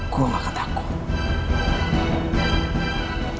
gua gak akan takut